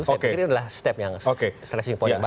saya pikir itu adalah step yang se reaching point yang bagus